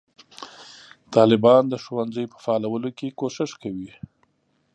طالبان د ښوونځیو په فعالولو کې کوښښ کوي.